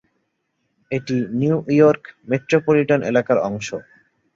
এটি New York metropolitan এলাকার অংশ।